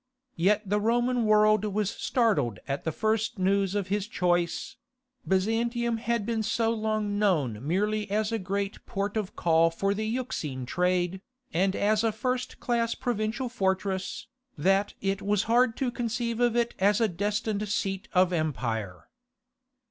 Yet the Roman world was startled at the first news of his choice; Byzantium had been so long known merely as a great port of call for the Euxine trade, and as a first class provincial fortress, that it was hard to conceive of it as a destined seat of empire.